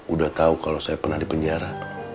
udah tahu kalau saya pernah di penjara